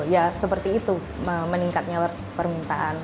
ya seperti itu meningkatnya permintaan